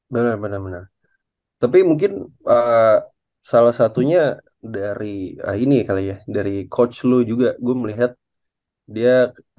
bener bener tapi mungkin salah satunya dari ini kali ya dari coach lu juga gue melihat dia